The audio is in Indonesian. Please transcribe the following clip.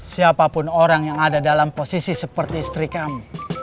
siapapun orang yang ada dalam posisi seperti istri kami